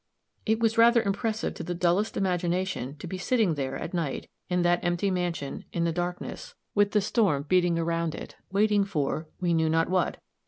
It was rather impressive to the dullest imagination to be sitting there at night, in that empty mansion, in the darkness, with the storm beating around it, waiting for we knew not what.